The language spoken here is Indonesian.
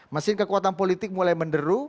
mesin kekuatan politik mulai menderu